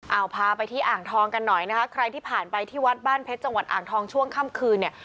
เอาพาไปที่อ่างทองกันหน่อยนะคะใครที่ผ่านไปที่วัดบ้านเพชรจังหวัดอ่างทองช่วงค่ำคืนเนี่ย